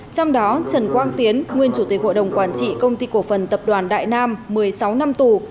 trong đó trần quang tiến nguyên chủ tịch hội đồng quản trị công ty cổ phần tập đoàn đại nam một mươi sáu năm tù